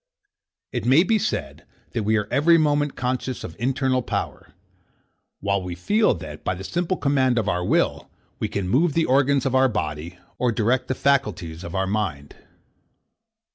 It may be said, that we are every moment conscious of internal power; while we feel, that, by the simple command of our will, we can move the organs of our body, or direct the faculties of our mind.